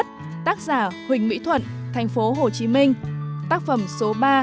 tác phẩm số sáu